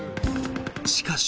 しかし。